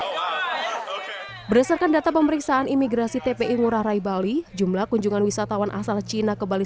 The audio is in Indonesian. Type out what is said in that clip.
hai berdasarkan data pemeriksaan imigrasi tpi murah rai bali jumlah kunjungan wisatawan asal cina ke bali